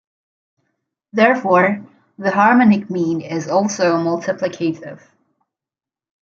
Therefore, the harmonic mean is also multiplicative.